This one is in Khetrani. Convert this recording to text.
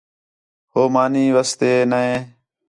ہو مانی واسطے نے